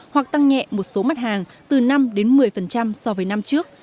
hoặc tăng nhẹ một số mặt hàng từ năm đến một mươi so với năm trước